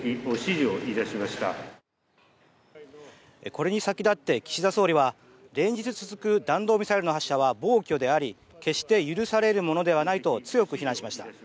これに先立って岸田総理は連日続く弾道ミサイルの発射は暴挙であり決して許されるものではないと強く非難しました。